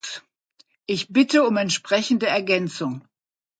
Ich bitte um entsprechende Ergänzung.